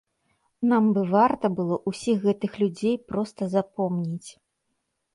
Нам бы варта было ўсіх гэтых людзей проста запомніць.